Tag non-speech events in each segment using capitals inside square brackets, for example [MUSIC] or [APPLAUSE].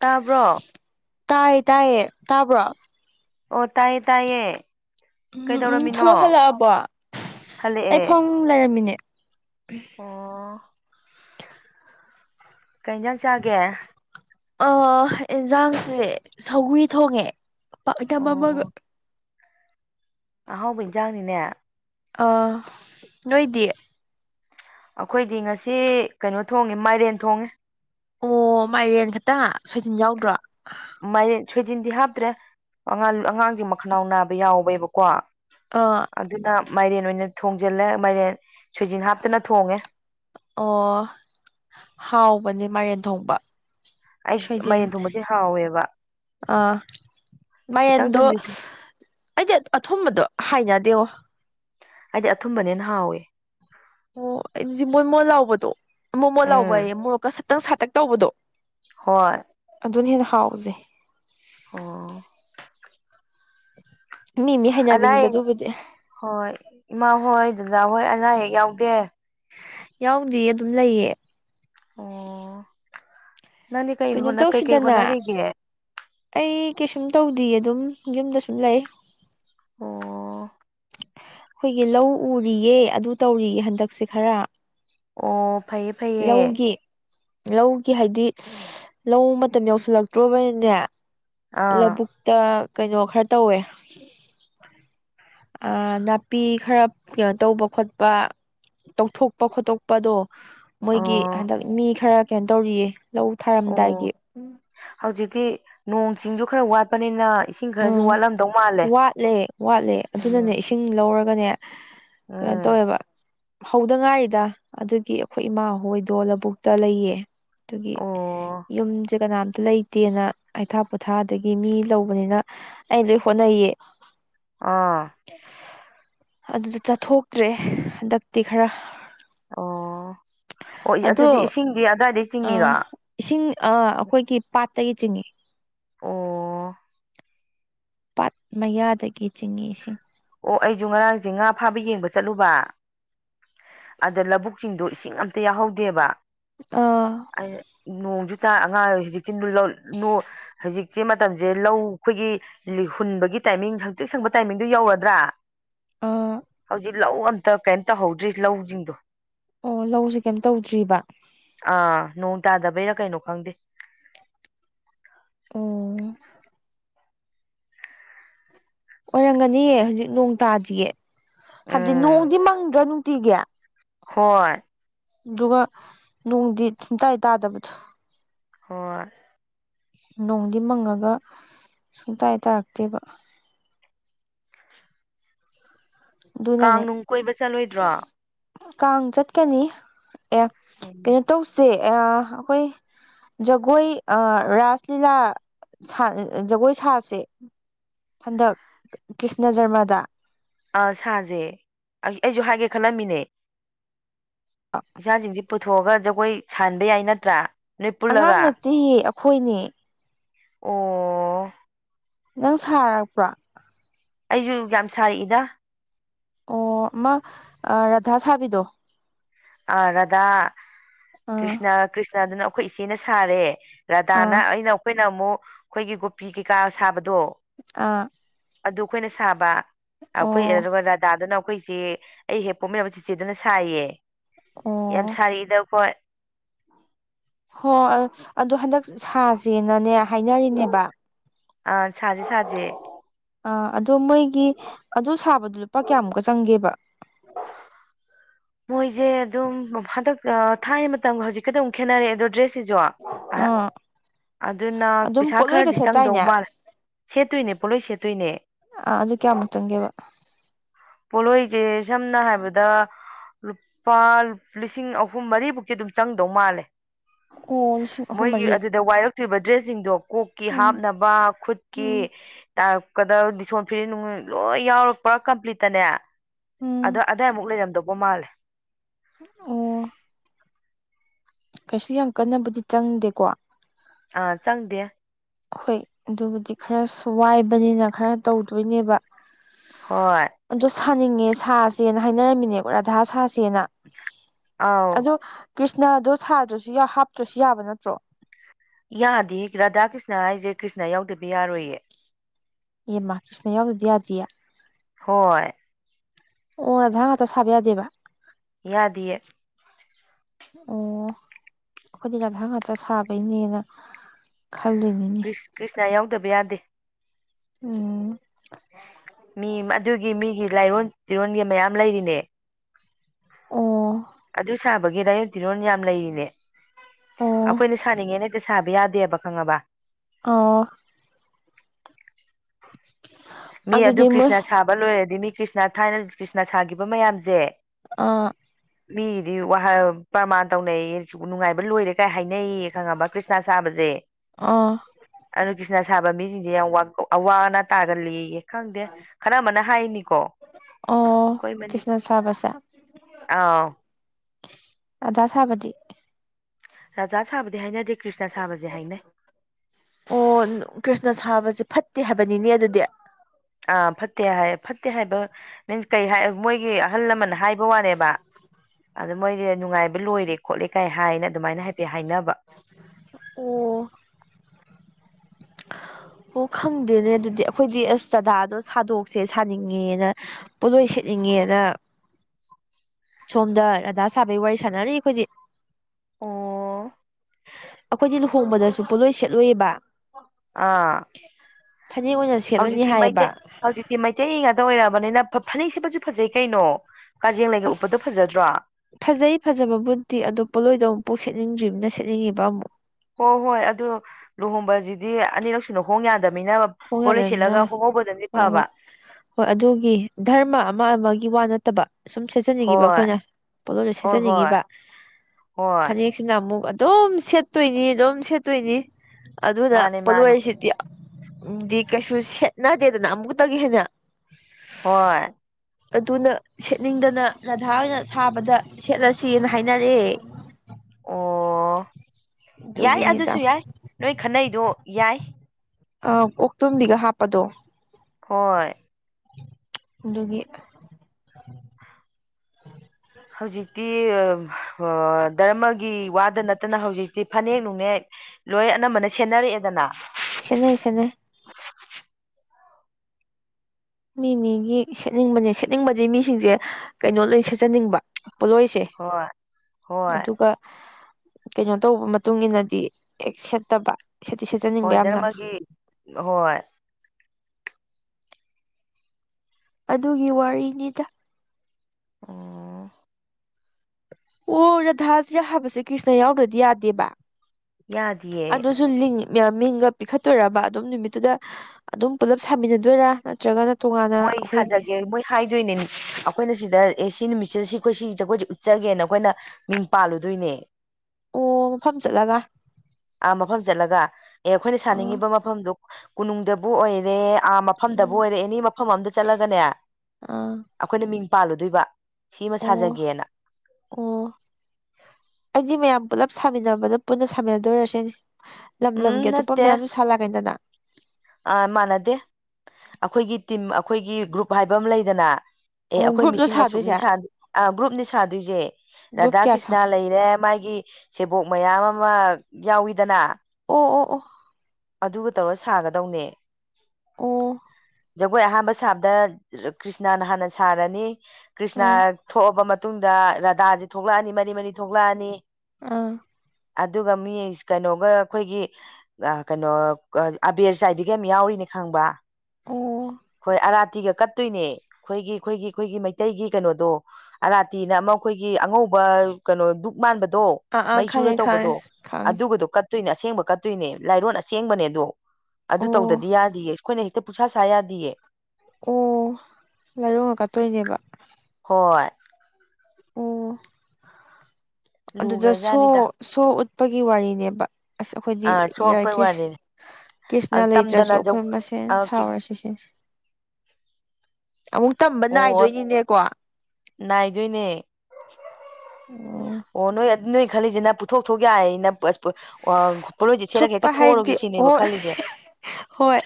ꯇꯥꯕ꯭ꯔꯣ ꯇꯥꯏ ꯇꯥꯏꯌꯦ ꯇꯥꯕ꯭ꯔꯣ ꯑꯣ ꯇꯥꯏ ꯌꯦ ꯇꯥꯏꯌꯦ ꯎꯝ ꯎꯝ ꯀꯩꯗꯧꯔꯝꯃꯤꯅꯣ ꯊꯕꯛ ꯍꯜꯂꯛꯑꯕꯣ ꯑꯩ ꯍꯜꯂꯛꯑꯦ ꯐꯃꯨꯡ ꯂꯩꯔꯝꯃꯤꯅꯦ ꯑꯣ ꯀꯩꯏꯟꯖꯥꯡ ꯆꯥꯒꯦ ꯑ ꯏꯟꯖꯥꯡꯁꯦ ꯁꯧꯒꯔꯤ ꯊꯣꯡꯉꯦ ꯄꯥꯛꯅꯝ ꯑꯃꯒ ꯑꯣ ꯑꯍꯥꯎꯕ ꯏꯟꯖꯥꯡꯅꯤꯅꯦ ꯑ ꯅꯣꯏꯗꯤ ꯑꯩꯈꯣꯏꯗꯤ ꯉꯁꯤ ꯀꯩꯅꯣ ꯊꯣꯡꯉꯦ ꯃꯥꯏꯔꯦꯟ ꯊꯣꯡꯉꯦ ꯑꯣ ꯃꯥꯏꯔꯦꯟ ꯈꯛꯇ ꯁꯣꯏꯖꯤꯟ ꯌꯥꯎꯗ꯭ꯔꯣ ꯃꯥꯏꯔꯦꯟ ꯁꯣꯏꯖꯤꯟꯗꯤ ꯍꯥꯞꯇ꯭ꯔꯦ ꯑꯉꯥꯡꯁꯤꯡ ꯃꯈꯅꯥꯎ ꯅꯥꯕ ꯌꯥꯎꯌꯦꯕꯀꯣ ꯑꯥ ꯑꯗꯨꯅ ꯃꯥꯏꯔꯦꯟ ꯑꯣꯏꯅ ꯊꯣꯡꯖꯤꯜꯂꯦ ꯃꯥꯏꯔꯦꯟ ꯁꯣꯏꯖꯤꯟ ꯍꯥꯞꯇꯅ ꯊꯣꯡꯉꯦ ꯑꯣ ꯍꯥꯎꯕꯅꯦ ꯃꯥꯔꯦꯟ ꯊꯣꯡꯕ ꯑꯩ ꯁꯣꯢꯖꯤꯟ ꯃꯥꯏꯔꯦꯟ ꯊꯣꯡꯕꯁꯦ ꯍꯥꯎꯋꯦꯕ ꯑ ꯈꯤꯇꯪ ꯃꯌꯦꯟꯗꯣ ꯊꯨꯝꯂꯤ ꯊꯨꯝ ꯑꯩꯗꯤ ꯑꯊꯨꯝꯕꯗꯣ ꯍꯥꯏꯅꯗꯦꯕꯣ ꯑꯩꯏꯗꯤ ꯑꯊꯨꯝꯕ ꯍꯦꯟꯅ ꯍꯥꯎꯋꯦ ꯑꯣ ꯑꯩꯗꯤ ꯃꯣꯟ ꯃꯣꯟ ꯂꯥꯎꯕꯗꯣ ꯃꯣꯃꯣꯟ ꯂꯥꯎꯕꯌꯦ ꯎꯝ ꯑꯩ ꯃꯣꯔꯣꯛꯀ ꯁꯇꯛ ꯁꯥꯠꯇꯛ ꯇꯧꯕꯗꯣ ꯍꯣꯏ ꯑꯗꯨꯅ ꯍꯦꯟꯅ ꯍꯥꯎꯖꯩ ꯑꯣ ꯃꯤ ꯃꯤ ꯑꯅꯥ ꯍꯩꯅꯕꯤꯅꯤꯗ ꯑꯌꯦꯛ ꯑꯗꯨꯕꯨꯗꯤ ꯍꯣꯏ ꯏꯃꯥ ꯍꯣꯏ ꯗꯗꯥ ꯍꯣꯏ ꯑꯅꯥ ꯑꯌꯦꯛ ꯌꯥꯎꯗꯦ ꯌꯥꯎꯗꯤꯌꯦ ꯑꯗꯨꯝ ꯂꯩꯌꯦ ꯑꯣ ꯅꯪꯗꯤ ꯀꯩ ꯀꯩꯅꯣ ꯍꯣꯠꯅ ꯀꯩꯀꯩ ꯇꯧꯁꯤꯗꯅ ꯍꯣꯠꯅꯔꯤꯒꯦ ꯑꯩ ꯀꯩꯁꯨꯝ ꯇꯧꯗꯤꯌꯀ ꯑꯗꯨꯝ ꯌꯨꯝꯗ ꯁꯨꯝ ꯂꯩ ꯑꯣ ꯑꯩꯈꯣꯏꯒꯤ ꯂꯧ ꯎꯔꯤꯌꯦ ꯑꯗꯨ ꯇꯧꯔꯤꯌꯦ ꯍꯟꯗꯛꯁꯦ ꯈꯔ ꯑꯣ ꯐꯩꯌꯦ ꯐꯩꯌꯦ ꯂꯧꯒꯤ ꯂꯧꯒꯤ ꯍꯥꯏꯗꯤ ꯂꯧ ꯃꯇꯝ ꯌꯧꯁꯤꯜꯂꯛꯇ꯭ꯔꯣꯕꯅꯤꯅꯦ ꯑꯥ ꯂꯧꯕꯨꯛꯇ ꯀꯩꯅꯣ ꯈꯔ ꯇꯧꯋꯦ ꯅꯥꯄꯤ ꯈꯔ ꯀꯩꯅꯣ ꯇꯧꯕ ꯈꯣꯠꯄ ꯇꯧꯊꯣꯛ ꯄ ꯈꯣꯠꯇꯣꯛꯄꯗꯣ ꯃꯣꯏꯒꯤ ꯑꯣ ꯍꯟꯗꯛ ꯃꯤ ꯈꯔ ꯀꯩꯅꯣ ꯇꯧꯔꯤꯌꯦ ꯂꯧ ꯑꯣ ꯊꯥꯔꯝꯗꯥꯏꯒꯤ ꯎꯝ ꯍꯧꯖꯤꯛꯇꯤ ꯅꯣꯡ ꯆꯤꯡꯁꯨ ꯈꯔ ꯋꯥꯠꯄꯅꯤꯅ ꯏꯁꯤꯡ ꯈꯔꯁꯨ ꯎꯝ ꯋꯥꯠꯂꯝꯗꯧ ꯃꯥꯜꯂꯦ ꯋꯥꯠꯂꯦ ꯋꯥꯠꯂꯦ ꯑꯗꯨꯅꯅꯦ ꯎꯝ ꯏꯁꯤꯡ ꯂꯧꯔꯒꯅꯦ ꯀꯩꯅꯣ ꯎꯝ ꯇꯧꯋꯦꯕ ꯍꯧꯗ ꯉꯥꯏꯔꯤꯗ ꯑꯗꯨꯒꯤ ꯑꯩꯈꯣꯏ ꯏꯃꯥ ꯍꯣꯏꯗꯣ ꯂꯧꯕꯨꯛꯇ ꯂꯩꯌꯦ ꯑꯗꯨꯒꯤ ꯑꯣ ꯌꯨꯝꯁꯦ ꯀꯅꯥꯝꯇ ꯂꯩꯇꯦꯅ ꯍꯩꯊꯥ ꯄꯣꯊꯥꯗꯒꯤ ꯃꯤ ꯂꯧꯕꯅꯤꯅ ꯑꯩ ꯂꯣꯢ ꯍꯣꯠꯅꯩꯌꯦ ꯑꯥ ꯑꯗꯨꯗ ꯆꯠꯊꯣꯛꯇ꯭ꯔꯦ ꯍꯟꯗꯛꯇꯤ ꯈꯔ ꯑꯣ ꯑꯣ ꯑꯗꯣ ꯑꯗꯨꯗꯤ ꯏꯁꯤꯡꯗꯤ ꯑꯗꯋꯥꯏꯗꯩ ꯆꯤꯡꯉꯤꯔꯣ ꯏꯁꯤꯡ ꯑ ꯑꯩꯈꯣꯏꯒꯤ ꯄꯥꯠꯇꯒꯤ ꯆꯤꯡꯏ ꯑꯣ ꯄꯥꯠ ꯃꯌꯥꯗꯒꯤ ꯆꯤꯡꯏ ꯏꯁꯤꯡ ꯑꯣ ꯑꯩꯁꯨ ꯉꯔꯥꯡꯁꯦ ꯉꯥ ꯐꯥꯕ ꯌꯦꯡꯕ ꯆꯠꯂꯨꯕ ꯑꯗ ꯂꯧꯕꯨꯛꯁꯤꯡꯗꯣ ꯏꯁꯤꯡ ꯑꯝꯇ ꯌꯥꯎꯍꯧꯗꯦꯕ ꯑꯥ ꯑꯩ ꯅꯣꯡꯖꯨ ꯇꯥ ꯑꯉꯥꯡ ꯍꯖꯤꯛꯇꯤꯡꯗꯨ ꯂꯧ ꯅꯣꯡ ꯍꯖꯤꯛꯆꯦ ꯃꯇꯝꯖꯦ ꯂꯧ ꯑꯈꯣꯏꯒꯤ ꯍꯨꯟꯕꯒꯤ ꯇꯥꯏꯃꯤꯡ ꯁꯪꯇꯤꯛ ꯁꯪꯕ ꯇꯥꯏꯃꯤꯡꯗꯣ ꯌꯧꯔ ꯗ꯭ꯔꯥ ꯑꯥ ꯍꯧꯖꯤꯛ ꯂꯧ ꯑꯝꯇ ꯀꯩꯅꯣ ꯇꯧꯍꯧꯗ꯭ꯔꯤ ꯂꯧꯖꯤꯡꯗꯣ ꯑꯣ ꯂꯧꯖꯦ ꯀꯩꯝ ꯇꯧꯗ꯭ꯔꯤꯕꯥ ꯑꯥ ꯅꯣꯡ ꯇꯥꯗꯕꯩꯔꯥ ꯀꯩꯅꯣ ꯈꯪꯗꯦ ꯑꯣ ꯑꯣꯏꯔꯝꯒꯅꯤꯌꯦ ꯍꯧꯖꯤꯛ ꯅꯣꯡ ꯇꯥꯗꯤꯌꯦ ꯍꯥꯏꯕꯗꯤ ꯎꯝ ꯅꯣꯡꯗꯤ ꯃꯪꯗ꯭ꯔꯥ ꯅꯨꯡꯇꯤꯒꯤ ꯍꯣꯏ ꯑꯗꯨꯒ ꯅꯣꯡꯗꯤ ꯁꯨꯡꯇꯥꯗꯤ ꯇꯥꯗꯕꯗꯣ ꯍꯣꯏ ꯅꯣꯡꯗꯤ ꯃꯪꯉꯒ ꯁꯨꯡꯇꯥꯗꯤ ꯇꯥꯔꯛꯇꯦꯕ ꯀꯥꯡ ꯑꯗꯨꯅꯅꯦ ꯅꯨꯡ ꯀꯣꯏꯕ ꯆꯠꯂꯣꯏꯗ꯭ꯔꯣ ꯀꯥꯡ ꯆꯠꯀꯅꯤ ꯑꯦ ꯀꯩꯅꯣ ꯇꯧꯁꯦ ꯑꯦ ꯑꯩꯈꯣꯏ ꯖꯒꯣꯏ ꯑ ꯔꯥꯁ ꯂꯤꯂꯥ ꯁꯥ ꯖꯒꯣꯏ ꯁꯥꯁꯦ ꯍꯟꯗꯛ ꯀ꯭ꯔꯤꯁꯅ ꯖꯔꯃꯗ ꯑ ꯁꯥꯖꯦ ꯑꯩ ꯑꯩꯖꯨ ꯍꯥꯏꯒꯦ ꯈꯜꯂꯝꯃꯤꯅꯦ ꯏꯆꯤꯖꯤꯡꯖꯦ ꯄꯨꯊꯣꯛꯑꯒ ꯖꯒꯣꯏ ꯁꯥꯥꯍꯟꯕ ꯌꯥꯏ ꯅꯠꯇ꯭ꯔꯥ ꯅꯣꯏ ꯑꯉꯥꯡ ꯄꯨꯜꯂꯒ ꯅꯠꯇꯤꯌꯦ ꯑꯩꯈꯣꯏꯅꯦ ꯑꯣ ꯅꯪ ꯁꯥꯔꯛꯄ꯭ꯔꯣ ꯑꯩꯖꯨ ꯌꯥꯝ ꯁꯥꯔꯛꯏꯗ ꯑꯣ ꯑꯃ ꯑ ꯔꯥꯙꯥ ꯁꯥꯕꯤꯗꯣ ꯑ ꯔꯥꯙꯥ ꯑꯥ ꯀ꯭ꯔꯤꯁꯅ ꯀ꯭ꯔꯤꯁꯅꯗꯨꯅ ꯑꯩꯈꯣꯏ ꯏꯆꯦꯅ ꯁꯥꯔꯦ ꯑꯥ ꯔꯗꯥꯅ ꯑꯩꯅ ꯑꯩꯈꯣꯏꯅ ꯑꯃꯨꯛ ꯑꯩꯈꯣꯏꯒꯤ ꯒꯨꯞꯄꯤ ꯀꯩꯀꯥ ꯁꯥꯕꯗꯣ ꯑꯥ ꯑꯗꯨ ꯑꯩꯈꯣꯏꯅ ꯁꯥꯕ ꯑꯩꯈꯣꯏ ꯑꯣ ꯑꯗꯨꯒ ꯔꯥꯗꯥꯗꯨꯅ ꯑꯩꯈꯣꯏ ꯆꯦ ꯑꯩ ꯍꯦꯛ ꯄꯣꯛꯃꯤꯟꯅꯕ ꯆꯤꯆꯦꯗꯨꯅ ꯁꯥꯏꯌꯦ ꯌꯥꯝ ꯑꯣ ꯁꯥꯔꯛꯏꯗ ꯑꯩꯈꯣꯏ ꯍꯣꯏ ꯑꯗꯣ ꯍꯟꯗꯛ ꯁꯥꯖꯦꯅꯅꯦ ꯍꯥꯏꯅꯔꯤꯅꯦꯕ ꯑ ꯁꯥꯖꯦ ꯁꯥꯖꯦ ꯑ ꯑꯗꯣ ꯃꯣꯏꯒꯤ ꯑꯗꯨ ꯁꯥꯕꯗꯨ ꯂꯨꯄꯥ ꯀꯌꯥꯃꯨꯛꯀ ꯆꯪꯒꯦꯕ ꯃꯣꯏꯖꯦ ꯑꯗꯨꯝ ꯍꯟꯗꯛ ꯑ ꯊꯥꯏꯅ ꯃꯇꯝꯒ ꯍꯧꯖꯤꯛꯀꯗꯤ ꯑꯃꯨꯛ ꯈꯦꯠꯅꯔꯛꯑꯦ ꯑꯗꯣ ꯗ꯭ꯔꯦꯁꯖꯤꯖꯨ ꯑꯥ ꯑꯗꯨꯅ ꯑꯗꯨꯝ ꯄꯤꯁꯥ ꯄꯣꯠꯂꯣꯏꯒ ꯈꯔꯗꯤ ꯆꯪꯗꯧ ꯁꯦꯠꯇꯥꯏꯅꯦ ꯃꯥꯜꯂꯦ ꯁꯦꯠꯇꯣꯏꯅꯦ ꯄꯣꯠꯂꯣꯏ ꯁꯦꯠꯇꯣꯏꯅꯦ ꯑ ꯑꯗꯨ ꯀꯌꯥꯃꯨꯛ ꯆꯪꯒꯦꯕ ꯄꯣꯠꯂꯣꯏꯖꯦ ꯁꯝꯅ ꯍꯥꯏꯕꯗ ꯂꯨꯄꯥ ꯂꯤꯁꯤꯡ ꯑꯍꯨꯝ ꯃꯔꯤ ꯕꯨꯛꯇꯤ ꯑꯗꯨꯝ ꯆꯪꯗꯧ ꯃꯥꯜꯂꯦ ꯑꯣ ꯂꯤꯁꯤꯡ ꯑꯍꯨꯝ ꯃꯣꯏꯒꯤ ꯃꯔꯤ ꯑꯗꯨꯗ ꯋꯥꯏꯔꯛ ꯇ꯭ꯔꯤꯕ ꯗ꯭ꯔꯦꯁꯖꯤꯡꯗꯣ ꯀꯣꯛꯀꯤ ꯎꯝ ꯍꯥꯞꯅꯕ ꯈꯨꯠꯀꯤ ꯎꯝ ꯇꯥꯔꯛꯀꯗꯕ ꯗꯤꯁꯣꯟ ꯐꯤꯔꯤꯟ ꯅꯨꯡ ꯂꯣꯏ ꯌꯥꯎꯔ ꯄꯨꯔꯥ ꯀꯝꯄ꯭ꯂꯤꯠꯇꯅꯦ ꯎꯝ ꯑꯗ ꯑꯗꯥꯏꯃꯨꯛ ꯂꯩꯔꯝꯗꯧꯕ ꯃꯥꯜꯂꯦ ꯑꯣ ꯀꯩꯁꯨ ꯌꯥꯝ ꯀꯟꯅꯕꯨꯗꯤ ꯆꯪꯗꯦꯀꯣ ꯑꯥ ꯆꯪꯗꯦ ꯍꯣꯏ ꯑꯗꯨꯕꯨꯗꯤ ꯈꯔꯁꯨ ꯋꯥꯏꯕꯅꯤꯅ ꯈꯔ ꯇꯧꯗꯣꯏꯅꯦꯕ ꯍꯣꯏ ꯑꯗꯣ ꯁꯥꯅꯤꯡꯉꯦ ꯁꯥꯁꯦꯅ ꯍꯥꯏꯅꯔꯝꯃꯤꯅꯦꯀꯣ ꯔꯥꯙꯥ ꯁꯥꯁꯦꯅ ꯑꯥꯎ ꯑꯗꯣ ꯀ꯭ꯔꯤꯁꯅꯗꯣ ꯁꯥꯗ꯭ꯔꯁꯨ ꯌꯥ ꯍꯥꯞꯇ꯭ꯔꯁꯨ ꯌꯥꯕ ꯅꯠꯇ꯭ꯔꯣ ꯌꯥꯗꯤꯌꯦ ꯔꯥꯙꯥ ꯀ꯭ꯔꯤꯁꯅ ꯍꯥꯏꯖꯦ ꯀ꯭ꯔꯤꯁꯅ ꯌꯥꯎꯗꯕ ꯌꯥꯔꯣꯏꯌꯦ ꯌꯦꯃꯥ ꯀ꯭ꯔꯤꯁꯅ ꯌꯥꯎꯗꯗꯤ ꯌꯥꯗꯤꯌꯦ ꯍꯣꯏ ꯑꯣ ꯑꯗꯥꯡ ꯉꯥꯛꯇ ꯁꯥꯕ ꯌꯥꯗꯦꯕ ꯌꯥꯗꯤꯌꯦ ꯑꯣ ꯑꯩꯈꯣꯏꯗꯤ ꯔꯥꯙ ꯉꯥꯛꯇ ꯁꯥꯕꯩꯅꯦꯅ ꯈꯜꯂꯤꯅꯤ ꯀ꯭ꯔꯤꯁ ꯀ꯭ꯔꯤꯁꯅꯥ ꯌꯥꯎꯗꯕ ꯌꯥꯗꯦ ꯎꯝ ꯃꯤ ꯑꯗꯨꯒꯤ ꯃꯤꯒꯤ ꯂꯥꯏꯔꯣꯟ ꯇꯤꯔꯣꯟꯒꯤ ꯃꯌꯥꯝ ꯂꯩꯔꯤꯅꯦ ꯑꯣ ꯑꯗꯨ ꯁꯥꯕꯒꯤ ꯂꯥꯏꯌꯣꯟ ꯇꯤꯔꯣꯟ ꯌꯥꯝ ꯂꯩꯔꯤꯅꯦ ꯑꯣ ꯑꯩꯈꯣꯏꯅ ꯁꯥꯅꯤꯡꯉꯦꯅ ꯁꯥꯕ ꯌꯥꯗꯦꯕ ꯈꯪꯉꯕ ꯑꯣ [UNINTELLIGIBLE] ꯃꯤ ꯑꯗꯨ ꯃꯣꯏ ꯀ꯭ꯔꯤꯁꯅ ꯁꯥꯕ ꯂꯣꯏꯔꯗꯤ ꯃꯤ ꯀ꯭ꯔꯤꯁꯅ ꯊꯥꯏꯅ ꯀ꯭ꯔꯤꯁꯅ ꯁꯥꯒꯤꯈꯤꯕ ꯃꯌꯥꯝꯁꯦ ꯑꯥ [UNINTELLIGIBLE] ꯃꯤꯗꯤ ꯋꯥꯍ ꯄ꯭ꯔꯃꯥꯟ ꯇꯧꯅꯩꯌꯦ ꯅꯨꯡꯉꯥꯏꯕ ꯂꯣꯏꯔꯦ ꯀꯥꯏ ꯍꯥꯏꯅꯩꯌꯦ ꯈꯪꯉꯕ ꯀ꯭ꯔꯤꯁꯅ ꯁꯥꯕꯁꯦ ꯑꯣ ꯑꯗꯨ ꯀ꯭ꯔꯤꯁꯅ ꯁꯥꯕ ꯃꯤꯁꯤꯡꯁꯦ ꯌꯥꯝ ꯑꯋꯥ ꯑꯅꯥ ꯇꯥꯒꯜꯂꯦ ꯈꯪꯗꯦ ꯈꯔ ꯑꯃꯅ ꯍꯥꯏꯅꯤꯀꯣ ꯑꯣ ꯑꯩꯈꯣꯏ ꯃꯅꯤ ꯀ꯭ꯔꯤꯁꯅ ꯁꯥꯕꯁꯦ ꯑꯥꯎ ꯔꯙ ꯁꯥꯕꯈꯤ ꯔꯙ ꯁꯥꯕꯗꯤ ꯍꯥꯏꯅꯗꯦ ꯀ꯭ꯔꯤꯁꯅ ꯁꯥꯕꯁꯦ ꯍꯥꯏꯅꯩ ꯑꯣ ꯀ꯭ꯔꯤꯁꯅ ꯁꯥꯕꯁꯦ ꯐꯠꯇꯦ ꯍꯥꯏꯕꯅꯤꯅꯦ ꯑꯗꯨꯗꯤ ꯑꯥ ꯐꯠꯇꯦ ꯍꯥꯏ ꯐꯠꯇꯦ ꯍꯥꯏꯕ ꯃꯤꯟꯁ ꯀꯩ ꯍꯥꯏ ꯃꯣꯏꯒꯤ ꯑꯍꯜ ꯂꯃꯟ ꯍꯥꯏꯕ ꯋꯥꯅꯦꯕ ꯑꯗꯨ ꯃꯣꯏꯗꯤ ꯅꯨꯡꯉꯥꯏꯕ ꯂꯣꯏꯔꯦ ꯈꯣꯠꯂꯦ ꯀꯥꯏ ꯍꯥꯏꯅ ꯑꯗꯨꯃꯥꯏꯅ ꯍꯥꯏꯐꯦꯠ ꯍꯥꯏꯅꯕ ꯑꯣ ꯑꯣ ꯈꯪꯗꯦꯅꯦ ꯑꯗꯨꯗꯤ ꯑꯩꯈꯣꯏꯗꯤ ꯑꯁ ꯆꯥꯗꯥꯗꯣ ꯁꯥꯗꯣꯛ ꯁꯦ ꯁꯥꯅꯤꯡꯉꯦꯅ ꯄꯣꯠꯂꯣꯏ ꯁꯦꯠꯅꯤꯡꯉꯦꯅ ꯁꯣꯝꯗ ꯔꯙꯥ ꯁꯥꯕꯒꯤ ꯋꯥꯔꯤ ꯁꯥꯟꯅꯔꯤ ꯑꯩꯈꯣꯏꯖꯤ ꯑꯣ ꯑꯩꯈꯣꯏꯗꯤ ꯂꯨꯍꯣꯡꯕꯗꯁꯨ ꯄꯣꯠꯂꯣꯏ ꯁꯦꯠꯂꯣꯏꯑꯕ ꯑꯥ ꯐꯅꯦꯛ ꯑꯣꯏꯅ ꯁꯦ ꯍꯧꯖꯤꯛꯇꯤ ꯃꯩꯇꯩ ꯍꯧꯖꯤꯛꯇꯤ ꯃꯩꯇꯩꯉꯛꯇ ꯑꯣꯏꯑꯔꯕꯅꯤꯅ ꯐꯅꯦꯛꯁꯤꯦ ꯐꯁꯨ ꯐꯖꯩ ꯀꯩꯅꯣ ꯀꯥꯖꯦꯡ ꯂꯩꯒ ꯎꯞꯄꯇꯣ ꯑꯁ ꯐꯖꯗ꯭ꯔꯣ ꯐꯖꯩ ꯐꯖꯕꯕꯨꯗꯤ ꯑꯇꯣ ꯄꯣꯂꯣꯏꯗꯣ ꯑꯃꯨꯛ ꯄꯥꯎ ꯁꯦꯠꯅꯤꯡꯗ꯭ꯔꯤꯕꯝꯅ ꯁꯦꯠꯅꯤꯡꯉꯤꯕ ꯑꯃꯨꯛ ꯍꯣꯏ ꯍꯣꯏ ꯑꯗꯨ ꯂꯨꯍꯣꯡꯕꯁꯤꯗꯤ ꯑꯅꯤꯔꯛ ꯁꯅꯨ ꯍꯣꯡ ꯌꯥꯗꯕꯃꯤꯅ ꯍꯣꯡ ꯄꯣꯠꯂꯣꯏ ꯌꯥꯗꯕꯅꯤꯅ ꯁꯦꯠꯂꯒ ꯍꯣꯡꯍꯧꯕꯅꯗꯤ ꯍꯣꯏ ꯍꯣꯏ ꯐꯕ ꯍꯣꯏ ꯑꯗꯨꯒꯤ ꯙꯔꯃ ꯑꯃ ꯑꯃꯒꯤ ꯋꯥ ꯅꯠꯇꯕ ꯁꯨꯝ ꯁꯦꯠꯆꯅꯤꯡꯉꯤꯕ ꯍꯣꯏ ꯑꯩꯈꯣꯏꯅ ꯄꯣꯠꯂꯣꯁ ꯍꯣꯏ ꯍꯣꯏ ꯁꯦꯠꯆꯅꯤꯡꯉꯤꯕ ꯍꯣꯏ ꯐꯅꯦꯛ ꯁꯤꯅ ꯑꯃꯨꯛ ꯑꯗꯨꯝ ꯁꯦꯠꯇꯣꯏꯅꯤ ꯑꯗꯨꯝ ꯁꯦꯠꯇꯣꯏꯅꯤ ꯑꯗꯨꯅ ꯃꯥꯅꯦ ꯃꯥꯅꯦ ꯄꯣꯠꯂꯣꯏꯁꯤꯗꯤ ꯎꯗꯤ ꯀꯩꯁꯨ ꯁꯦꯠꯅꯗꯦꯗꯅ ꯑꯃꯨꯛꯇꯒꯤ ꯍꯦꯟꯅ ꯍꯣꯏ ꯑꯗꯨꯅ ꯁꯦꯠꯅꯤꯡꯗꯅ ꯔꯙꯥ ꯑꯣꯏꯅ ꯁꯥꯕꯗ ꯁꯦꯠꯂꯁꯤꯦꯅ ꯍꯥꯏꯅꯔꯦ ꯑꯣ ꯌꯥꯏ ꯑꯗꯨꯒꯤꯅꯤꯗ ꯑꯗꯨꯁꯨ ꯌꯥꯏ ꯅꯣꯏ ꯈꯟꯅꯩꯗꯣ ꯌꯥꯏ ꯑ ꯀꯣꯛꯇꯨꯝꯝꯕꯤꯒ ꯍꯥꯞꯄꯗꯣ ꯍꯣꯏ ꯑꯗꯨꯒꯤ ꯍꯧꯖꯤꯛꯇꯤ ꯗꯔꯃꯒꯤ ꯋꯥꯗ ꯅꯠꯇꯅ ꯍꯧꯖꯤꯛꯇꯤ ꯐꯅꯦꯛ ꯅꯨꯡꯅꯦꯛ ꯂꯣꯏ ꯑꯅꯝꯕꯅ ꯁꯦꯟꯅꯔꯛꯑꯦꯗꯅ ꯁꯦꯠꯅꯩ ꯁꯦꯠꯅꯩ ꯃꯤ ꯃꯤꯒꯤ ꯁꯦꯠꯅꯤꯡꯕꯅꯦ ꯁꯦꯠꯅꯤꯡꯕꯗꯤ ꯃꯤꯁꯤꯡꯁꯦ ꯀꯩꯅꯣ ꯂꯣꯏ ꯁꯦꯠꯆꯅꯤꯡꯕ ꯄꯣꯠꯂꯣꯏꯁꯦ ꯍꯣꯏ ꯍꯣꯏ ꯑꯗꯨꯒꯒ ꯀꯩꯅꯣ ꯇꯧꯕ ꯃꯇꯨꯡꯟꯅꯗꯤ ꯍꯦꯛ ꯁꯦꯠꯇꯕ ꯁꯦ ꯁꯦꯠ ꯍꯣꯏ ꯗꯔꯃꯒꯤ ꯍꯣꯏ ꯑꯗꯨꯒꯤ ꯋꯥꯔꯤꯅꯤꯗ ꯑ ꯑꯣ ꯔꯥꯙꯥꯁꯤꯦ ꯍꯥꯏꯕꯁꯦ ꯀ꯭ꯔꯤꯁꯅ ꯌꯥꯎꯗ꯭ꯔꯗꯤ ꯌꯥꯗꯦꯕ ꯌꯥꯗꯌꯦꯦ ꯁꯨ ꯃꯤꯡꯒ ꯄꯤꯈꯠꯇꯣꯏꯔꯕ ꯑꯗꯨꯝ ꯅꯨꯃꯤꯠꯇꯨꯗ ꯑꯗꯨꯝ ꯄꯨꯜꯂꯞ ꯁꯥꯃꯤꯟꯅꯗꯣꯏꯔꯥ ꯅꯠꯇ꯭ꯔꯒꯅ ꯇꯣꯉꯥꯟꯅ ꯑꯩꯈꯣꯏ ꯍꯥꯏꯥꯏꯗꯣꯏꯅꯦ ꯑꯩꯈꯣꯏꯅ ꯁꯤꯗ ꯑꯦ ꯁꯤ ꯅꯨꯃꯤꯠꯁꯤꯗ ꯁꯤ ꯑꯩꯈꯣꯏ ꯁꯤ ꯖꯒꯣꯏꯁꯦ ꯎꯠꯆꯒꯦꯅ ꯑꯩꯈꯣꯏꯅ ꯃꯤꯡ ꯄꯥꯜꯂꯨꯗꯣꯏꯅꯦ ꯑꯣ ꯃꯐꯝ ꯆꯠꯂꯒ ꯑ ꯃꯐꯝ ꯆꯠꯂꯒ ꯑꯦ ꯑꯩꯈꯣꯏꯅ ꯑꯣ ꯁꯥꯅꯤꯡꯉꯤꯕ ꯃꯐꯝꯗꯨꯣ ꯀꯣꯅꯨꯡꯗꯕꯨ ꯑꯣꯏꯔꯦ ꯑꯥ ꯃꯐꯝꯗꯕꯨ ꯎꯝ ꯑꯣꯏꯔꯦ ꯑꯦꯅꯤ ꯃꯐꯝ ꯑꯝꯗ ꯆꯠꯂꯒꯅꯦ ꯑꯥ ꯑꯩꯈꯣꯏꯅ ꯃꯤꯡ ꯄꯥꯜꯂꯨꯗꯣꯏꯕ ꯁꯤꯃ ꯑꯣ ꯁꯥꯖꯒꯦꯅ ꯑꯣ ꯑꯩꯗꯤ ꯃꯌꯥꯝ ꯄꯨꯂꯞ ꯁꯥꯃꯤꯟꯅꯕꯗ ꯄꯨꯟꯅ ꯁꯥꯃꯤꯟꯅꯗꯣꯏꯔꯁꯅꯦ ꯂꯝ ꯂꯝꯒꯤ ꯎꯝ ꯑꯇꯣꯞꯄ ꯅꯠꯇꯦ ꯃꯌꯥꯝꯁꯨ ꯁꯥꯠꯂꯛꯑꯀꯥꯏꯗꯅ ꯑ ꯃꯥꯟꯅꯗꯦ ꯑꯩꯈꯣꯏꯒꯤ ꯇꯤꯝ ꯑꯩꯈꯣꯏꯒꯤ ꯒ꯭ꯔꯨꯞ ꯍꯥꯏꯕ ꯑꯃ ꯂꯩꯗꯅ ꯑꯦ ꯑꯣ ꯑꯩꯈꯣꯏ ꯒ꯭ꯔꯨꯞꯂꯣ ꯃꯤꯆ ꯑꯁꯨꯛꯅꯤ ꯁꯥꯗꯣꯏꯁꯦ ꯁꯥꯗ ꯑꯥ ꯒ꯭ꯔꯨꯞꯅꯤ ꯁꯥꯗꯣꯏꯁꯦ ꯒ꯭ꯔꯨꯞ ꯔꯥꯙꯥ ꯀꯌꯥ ꯁꯥ ꯀ꯭ꯔꯤꯁꯅꯥ ꯂꯩꯔꯦ ꯃꯥꯒꯤ ꯁꯦꯕꯣꯛ ꯃꯌꯥꯝ ꯑꯃ ꯌꯥꯎꯋꯤꯗꯅ ꯎ ꯑꯣ ꯑꯣ ꯑꯗꯨꯒ ꯇꯧꯔ ꯁꯥꯒꯗꯧꯅꯦ ꯑꯣ ꯖꯒꯣꯏ ꯑꯍꯥꯟꯕ ꯁꯥꯕꯗ ꯀ꯭ꯔꯤꯁꯅꯥꯅ ꯍꯥꯟꯅ ꯁꯥꯔꯅꯤ ꯀ꯭ꯔꯤꯁꯅꯥ ꯑꯥ ꯊꯣꯛꯑꯕ ꯃꯇꯨꯡꯗ ꯔꯥꯙꯁꯤꯦ ꯊꯣꯛꯂꯛꯑꯅꯤ ꯃꯔꯤ ꯃꯔꯤ ꯊꯣꯛꯂꯛꯑꯅꯤ ꯑꯥ ꯑꯗꯨꯒ ꯃꯤ ꯀꯩꯅꯣꯒ ꯑꯩꯈꯣꯏꯒꯤ ꯀꯩꯅꯣ ꯑꯕꯦꯔ ꯆꯥꯏꯕꯤꯒꯩꯝ ꯌꯥꯎꯔꯤꯅꯤ ꯈꯪꯕ ꯑꯣ ꯍꯣꯏ ꯑꯔꯥꯇꯤꯒ ꯀꯠꯇꯣꯏꯅꯦ ꯑꯩꯈꯣꯏꯒꯤ ꯑꯩꯈꯣꯏꯒꯤ ꯑꯩꯈꯣꯏꯒꯤ ꯃꯩꯇꯩꯒꯤ ꯀꯩꯅꯣꯗꯣ ꯑꯔꯥꯇꯤꯅ ꯑꯃ ꯑꯩꯈꯣꯏꯒꯤ ꯑꯉꯧꯕ ꯀꯩꯅꯣ ꯗꯨꯛ ꯃꯥꯟꯕꯗꯣ ꯑꯥ ꯑꯥ ꯃꯩꯆꯨꯔ ꯈꯪꯉꯦ ꯈꯪꯉꯦ ꯇꯧꯕꯗꯣ ꯈꯪꯉꯦ ꯑꯗꯨꯒꯗꯣ ꯀ ꯀꯠꯇꯣꯏꯅꯦ ꯑꯁꯦꯡꯕ ꯀꯠꯇꯣꯏꯅꯦ ꯂꯥꯏꯔꯣꯟ ꯑꯁꯦꯡꯕꯅꯦ ꯑꯗꯣ ꯑꯗꯨ ꯑꯣ ꯇꯧꯗꯗꯤ ꯌꯥꯗꯌꯦ ꯑꯩꯈꯣꯏꯅ ꯍꯦꯛꯇ ꯄꯨꯁꯥ ꯁꯥ ꯌꯥꯗꯤꯌꯦꯦ ꯑꯣ ꯂꯥꯏꯑꯣꯨꯡꯉꯀꯠꯇꯣꯏꯅꯦꯕ ꯍꯣꯏ ꯑꯣ ꯑꯗꯨꯗ ꯁꯣ ꯂꯨꯒ꯭ꯔꯖꯥꯠꯅꯤꯗ ꯁꯣ ꯎꯠꯄꯒꯤ ꯋꯥꯔꯤꯅꯦꯕ ꯑꯁ ꯑꯩꯈꯣꯏꯗꯤ ꯑꯥ ꯁꯣꯛꯄꯩ ꯌꯥꯏꯈꯤ ꯋꯥꯅꯤꯅꯦ ꯑꯗꯨ ꯀ꯭ꯔꯤꯁꯅ ꯂꯩꯇ꯭ꯔꯁꯨ ꯇꯝꯗꯅ ꯖꯧ ꯑꯩꯈꯣꯏ ꯃꯁꯦꯟ ꯑꯥ ꯀꯤꯁ ꯁꯥꯎꯔ ꯁꯤꯁꯦ ꯑꯃꯨꯛ ꯇꯝꯕ ꯑꯣ ꯅꯥꯏꯗꯣꯏꯅꯤꯅꯦꯀꯣ ꯅꯥꯏꯗꯣꯏꯅꯦ ꯑꯣ ꯑꯣ ꯅꯣꯏ ꯅꯣꯏ ꯈꯜꯂꯤꯁꯤꯅ ꯄꯨꯊꯣꯛ ꯊꯣꯛꯣꯛ ꯌꯥꯏꯅ ꯑ ꯄꯨꯔꯣꯏꯁꯦ ꯁꯦꯠꯂꯒ ꯊꯨꯞꯄ ꯍꯦꯛꯇ ꯍꯥꯏꯗꯤ ꯊꯣꯛꯎꯨꯁꯨꯦ ꯁꯤꯅꯦꯕ ꯍꯣꯏ ꯈꯜꯂꯤꯁꯦ ꯍꯣꯏ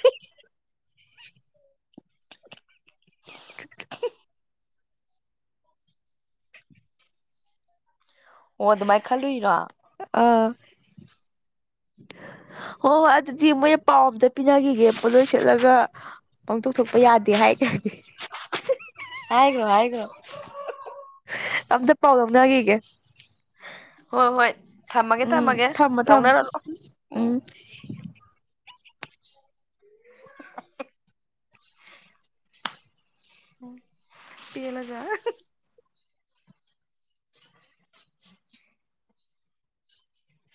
ꯑꯣ ꯑꯗꯨꯃꯥꯏꯅ ꯈꯜꯂꯨꯏꯔꯥ ꯑꯥ ꯍ ꯑꯗꯨꯗꯤ ꯃ ꯄꯥꯎꯗ ꯄꯤꯅꯈꯤꯒꯦ ꯄꯣꯠꯂꯣꯏ ꯁꯦꯠꯂꯒ ꯄꯥꯡꯊꯣꯛ ꯊꯣꯛꯄ ꯌꯥꯗꯦ ꯍꯥꯏꯇꯥꯔꯗꯤ ꯍꯥꯏꯒꯣ ꯍꯥꯏꯒ꯭ꯔꯣ ꯑꯝꯇ ꯄꯥꯎ ꯂꯧꯅꯒꯤꯒꯦ ꯍꯣꯏ ꯍꯣꯏ ꯊꯝꯃꯒꯦ ꯎꯝ ꯊꯝꯃꯒꯦ ꯊꯝꯃꯣ ꯊꯝꯃꯣ ꯂꯧꯅꯔꯝꯃꯣ [UNINTELLIGIBLE] [UNINTELLIGIBLE] ꯎ ꯄꯤꯌꯦꯂꯖ [INAUDIBLE]